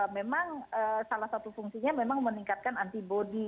memang salah satu fungsinya memang meningkatkan antibody